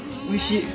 おいしい。